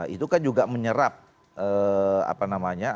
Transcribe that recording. itu kan juga menyerap apa namanya aspirasi publik secara intang